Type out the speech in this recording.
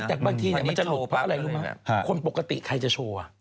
แต่บางทีจะโหลปะคนปกติใครจะโชว์วะ